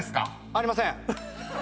ありません。